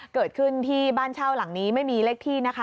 เกิดขึ้นที่บ้านเช่าหลังนี้ไม่มีเลขที่นะคะ